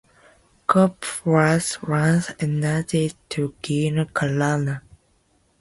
Cope was once engaged to Gina Carano.